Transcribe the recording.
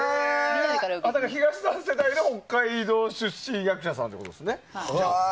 東さん世代で北海道出身役者さんてことでよね。